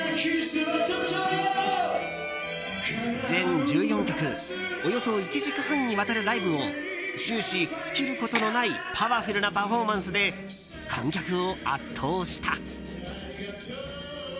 全１４曲およそ１時間半にわたるライブを終始、尽きることのないパワフルなパフォーマンスで観客を圧倒した。